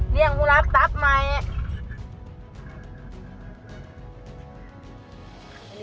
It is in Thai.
เรียงผู้รับทรัพย์มาเนี้ย